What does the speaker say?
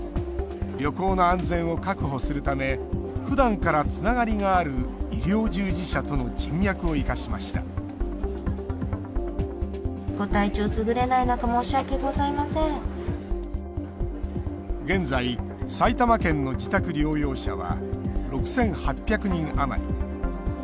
旅行の安全を確保するためふだんから、つながりがある医療従事者との人脈を生かしました現在、埼玉県の自宅療養者は６８００人余り。